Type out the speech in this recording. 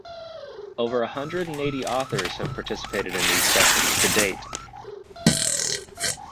Over a hundred and eighty authors have participated in these sessions to date.